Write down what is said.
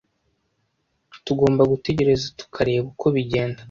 Tugomba gutegereza tukareba uko bigenda.